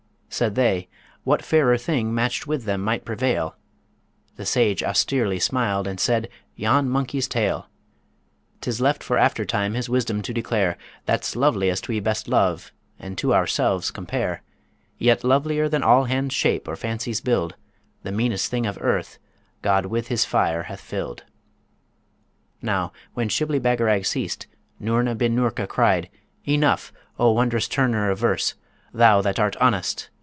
Said they, 'What fairer thing matched with them might prevail?' The Sage austerely smiled, and said, 'Yon monkey's tail.' 'Tis left for after time his wisdom to declare: That's loveliest we best love, and to ourselves compare. Yet lovelier than all hands shape or fancies build, The meanest thing of earth God with his fire hath filled. Now, when Shibli Bagarag ceased, Noorna bin Noorka cried, 'Enough, O wondrous turner of verse, thou that art honest!'